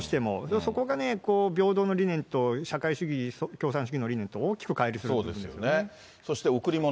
そこがね、平等の理念と社会主義、共産主義の理念と大きくかい離すそして、贈り物。